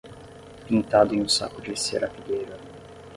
Pintado em um saco de serapilheira